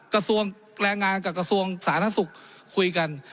กระทรวงแรงงานกับกระทรวงสาธารณสุขคุยกัน